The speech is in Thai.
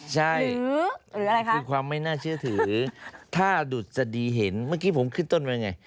ใช่คือความไม่น่าเชื่อถือถ้าดุษฎีเห็นเมื่อกี้ผมขึ้นต้นว่าอย่างไร